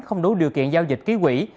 không đủ điều kiện giao dịch ký quỷ